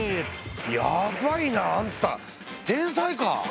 やばいな。あんた天才か！